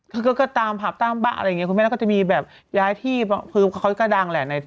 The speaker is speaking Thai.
ก็ปรับด้านบ้านอะไรอย่างเงี้ย